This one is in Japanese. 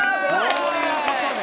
そういうことね！